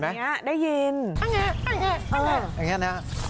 อย่างนี้อย่างนี้อย่างนี้นะครับ